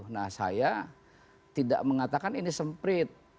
nah saya tidak mengatakan ini semprit